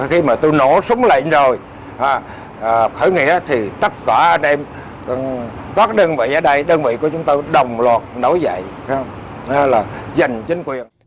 khi mà tôi nổ súng lệnh rồi khởi nghĩa thì tất cả anh em các đơn vị ở đây đơn vị của chúng tôi đồng luật đối dạy dành chính quyền